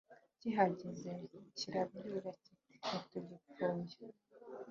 Kihageze kirabwira kiti”ntitugipfuye